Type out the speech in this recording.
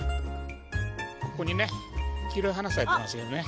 ここにね黄色い花咲いてますよね。